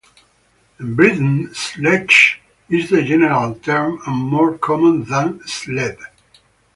In Britain "sledge" is the general term, and more common than "sled".